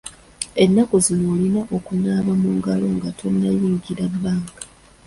Ennaku zino olina okunaaba mu ngalo nga tonnayingira bbanka.